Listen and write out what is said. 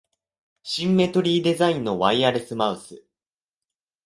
シンメトリーデザインのワイヤレスマウス